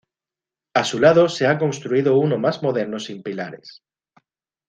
A su lado se ha construido uno más moderno sin pilares.